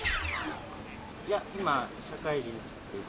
いや今社会人です。